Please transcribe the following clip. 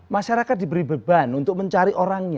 masyarakat diberi beban untuk mencari orangnya